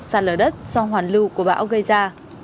sạt lở đất do hoàn lưu của bão gây ra